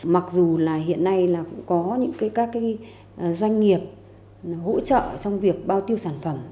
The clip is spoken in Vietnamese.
mặc dù hiện nay có các doanh nghiệp hỗ trợ trong việc bao tiêu sản phẩm